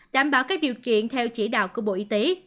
đảm bảo các điều kiện theo chỉ đạo của bộ y tế